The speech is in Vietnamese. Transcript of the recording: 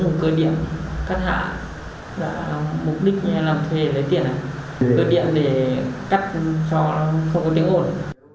dùng cơ điện cắt hạ mục đích là thuê lấy tiền gửi điện để cắt cho không có tiếng ồn